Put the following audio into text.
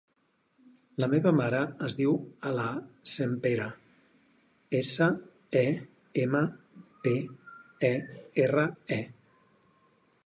La meva mare es diu Alaa Sempere: essa, e, ema, pe, e, erra, e.